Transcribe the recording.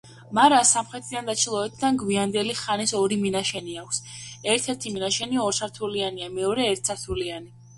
მარანს სამხრეთიდან და ჩრდილოეთიდან გვიანდელი ხანის ორი მინაშენი აქვს ერთ-ერთი მინაშენი ორსართულიანია, მეორე ერთსართულიანი.